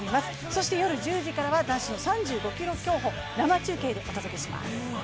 そして夜１０時からは男子の３５ｋｍ競歩、生中継でお届けします。